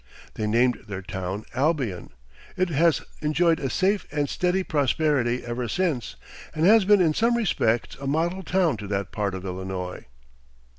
They named their town Albion. It has enjoyed a safe and steady prosperity ever since, and has been in some respects a model town to that part of Illinois.